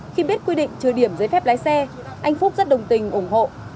khi biết quy định trừ điểm giấy phép lái xe anh phúc rất đồng tình ủng hộ